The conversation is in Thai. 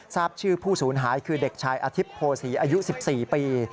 ทราบชื่อผู้สูญหายคือเด็กชายอธิบโพศีอายุ๑๔ปี